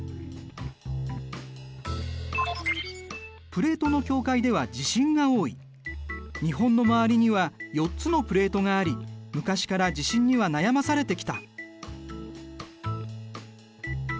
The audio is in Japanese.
プレートの境界には日本の周りには４つのプレートがあり昔から地震には悩まされてきた。